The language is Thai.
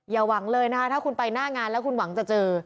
อย่าหวังเลยนะคะถ้าคุณไปหน้างานแล้วคุณหวังจะเจอ